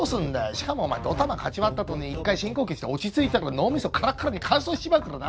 しかもドタマかち割ったあとに一回深呼吸して落ち着いたら脳みそカラッカラに乾燥しちまうからな！